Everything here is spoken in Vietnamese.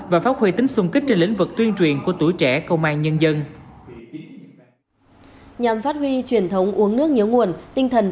và phát huy tính xung kích trên lĩnh vực tuyên truyền của tuổi trẻ công an nhân dân